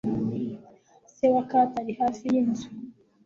Se wa Kate ari hafi yinzu.